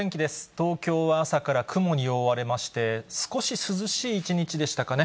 東京は朝から雲に覆われまして、少し涼しい一日でしたかね。